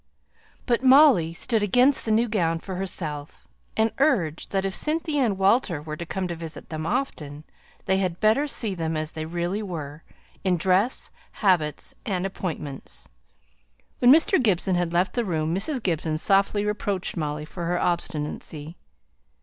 But Molly stood out against the new gown for herself, and urged that if Cynthia and Walter were to come to visit them often, they had better see them as they really were, in dress, habits, and appointments. When Mr. Gibson had left the room, Mrs. Gibson softly reproached Molly for her obstinacy.